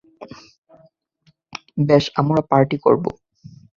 বেশ, আমরা পার্টি করবো।